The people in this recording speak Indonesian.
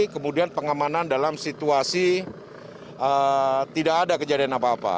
kemudian pengamanan dalam situasi tidak ada kejadian apa apa